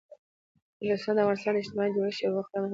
نورستان د افغانستان د اجتماعي جوړښت یوه خورا مهمه برخه ده.